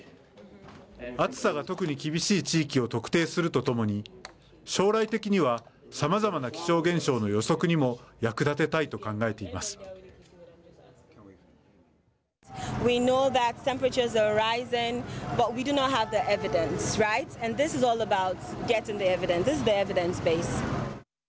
暑さが特に厳しい地域を特定するとともに将来的にはさまざまな気象現象の予測にも役立てたいと考えています。